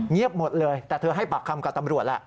หมดเลยแต่เธอให้ปากคำกับตำรวจแหละ